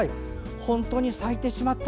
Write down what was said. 本当に咲いてしまいました。